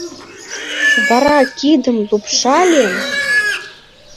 Вара кидем лупшальым.